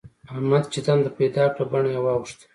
احمد چې دنده پيدا کړه؛ بڼه يې واوښته.